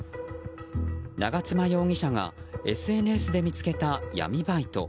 長妻容疑者がＳＮＳで見つけた闇バイト。